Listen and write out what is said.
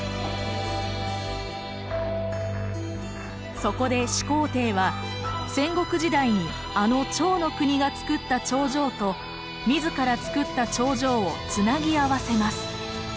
そこで始皇帝は戦国時代にあの趙の国がつくった長城と自らつくった長城をつなぎ合わせます。